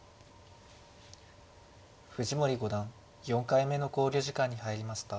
藤森五段４回目の考慮時間に入りました。